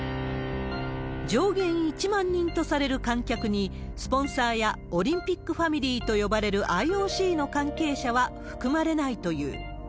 上限１万人とされる観客に、スポンサーやオリンピックファミリーと呼ばれるＩＯＣの関係者は含まれないという。